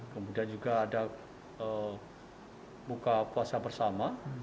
kemudian juga ada buka puasa bersama